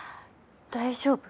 大丈夫？